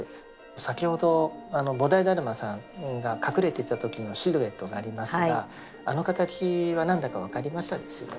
先ほど菩提達磨さんが隠れていた時のシルエットがありますがあの形は何だか分かりましたですよね？